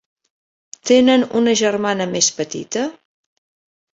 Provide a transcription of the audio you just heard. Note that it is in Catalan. Tenen una germana més petita?